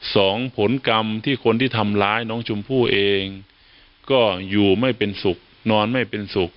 ผลกรรมที่คนที่ทำร้ายน้องชมพู่เองก็อยู่ไม่เป็นสุขนอนไม่เป็นสุข